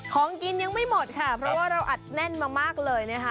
ของกินยังไม่หมดค่ะเพราะว่าเราอัดแน่นมามากเลยนะคะ